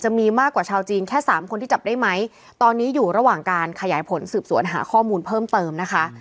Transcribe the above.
มีมากกว่าชาวจีนแค่สามคนที่จับได้ไหมตอนนี้อยู่ระหว่างการขยายผลสืบสวนหาข้อมูลเพิ่มเติมนะคะ